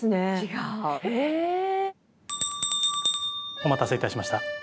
お待たせいたしました。